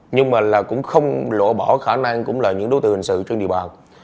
nhưng mà cũng không lộ bỏ khả năng cũng là những đối tượng hình sự trên địa bàn